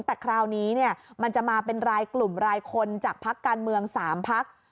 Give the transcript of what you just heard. แต่คราวนี้มันจะมาเป็นรายกลุ่มรายคนจากพักการเมือง๓พัก